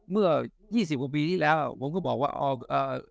เมื่อยี่สิบกว่าปีที่แล้วผมก็บอกว่าเอ่อ